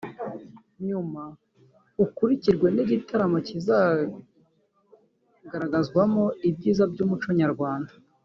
nyuma ukurikirwe n’igitaramo kizagaragarizwamo ibyiza by’umuco nyarwanda